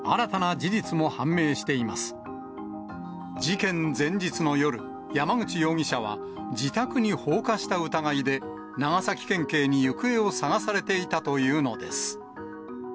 事件前日の夜、山口容疑者は、自宅に放火した疑いで、長崎県警に行方を捜されていたというのです。